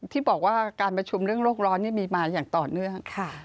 ที่บอกว่าการประชุมเรื่องโลกร้อนมีมาอย่างต่อเนื่อง